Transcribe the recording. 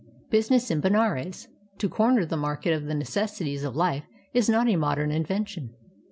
BUSINESS IN BENARES To comer the market of the necessities of life is not a modem invention.